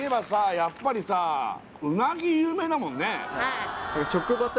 やっぱりさうなぎ有名だもんね